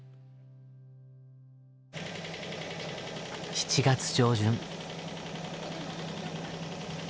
７月上旬。